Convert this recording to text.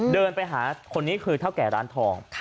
เดินไปหาคนนี้คือเท่าแก่ร้านทอง